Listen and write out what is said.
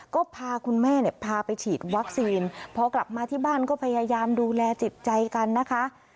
ก็พาคุณแม่เนี่ยพาไปฉีดวัคซีนพอกลับมาที่บ้านก็พยายามดูแลจิตใจกันนะคะ